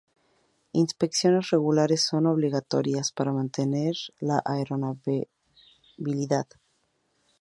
Inspecciones regulares son obligatorias para mantener la aeronavegabilidad.